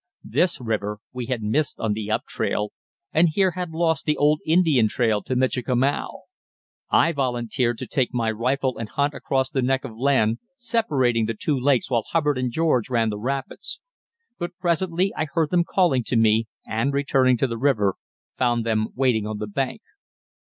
This river we had missed on the up trail and here had lost the old Indian trail to Michikamau. I volunteered to take my rifle and hunt across the neck of land separating the two lakes while Hubbard and George ran the rapids; but presently I heard them calling to me, and, returning to the river, found them waiting on the bank.